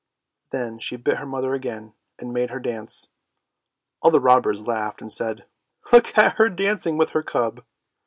Then she bit her mother again and made her dance. All the robbers laughed and said, " Look at her dancing with her cub!